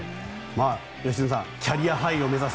良純さんキャリアハイを目指す。